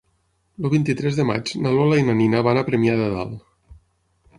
El vint-i-tres de maig na Lola i na Nina van a Premià de Dalt.